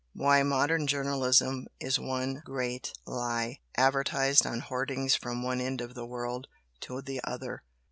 Why, modern journalism is one GREAT LIE advertised on hoardings from one end of the world to the other!"